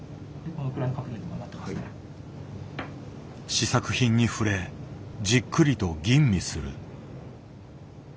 試作品に触れじっくりと吟味する。